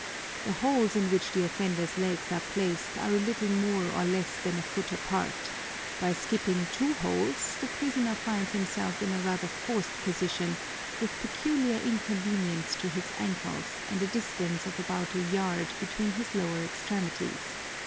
The holes in which the offender's legs are placed are a little more or less than a foot apart; by skipping two holes, the prisoner finds himself in a rather forced position with peculiar inconvenience to his ankles and a distance of about a yard between his lower extremities.